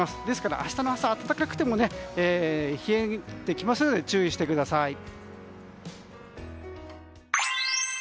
ですから朝は暖かくても冷えてきますので注意してください。